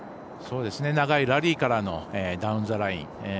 長いラリーからのダウンザライン。